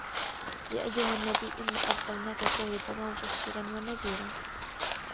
يَا أَيُّهَا النَّبِيُّ إِنَّا أَرْسَلْنَاكَ شَاهِدًا وَمُبَشِّرًا وَنَذِيرًا